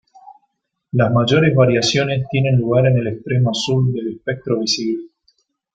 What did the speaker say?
Las mayores variaciones tienen lugar en el extremo azul del espectro visible.